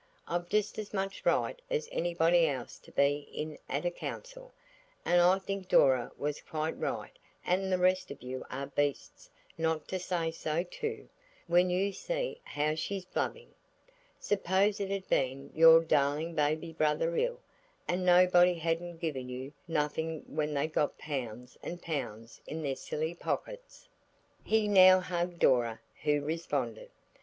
"I've just as much right as anybody else to be in at a council, and I think Dora was quite right and the rest of you are beasts not to say so, too, when you see how she's blubbing. Suppose it had been your darling baby brother ill, and nobody hadn't given you nothing when they'd got pounds and pounds in their silly pockets?" He now hugged Dora, who responded.